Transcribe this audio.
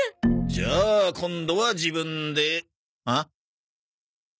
じゃあ今度は自分でおっ？